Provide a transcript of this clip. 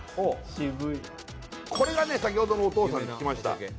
渋いこれがね先ほどのお父さんに聞きました